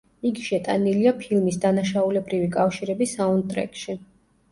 იგი შეტანილია ფილმის „დანაშაულებრივი კავშირები“ საუნდტრეკში.